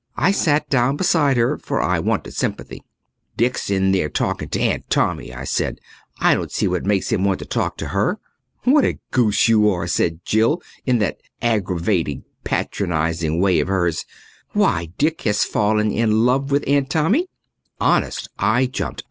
I sat down beside her, for I wanted sympathy. "Dick's in there talking to Aunt Tommy," I said. "I don't see what makes him want to talk to her." "What a goose you are!" said Jill in that aggravatingly patronizing way of hers. "Why, Dick has fallen in love with Aunt Tommy!" Honest, I jumped.